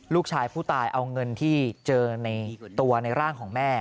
ลูกชายผู้ตายเอาเงินที่เจอในตัวในร่างของแม่